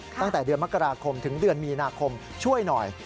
ตั้งแต่เดือนมกราคมถึงเดือนมีนาคมช่วยหน่อย